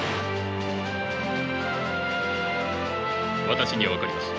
私には分かります。